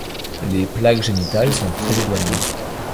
Les plaques génitales sont très éloignées.